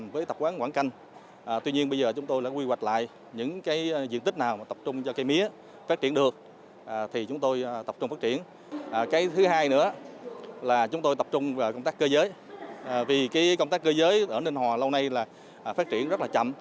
vì công tác cơ giới ở ninh hòa lâu nay là phát triển rất là chậm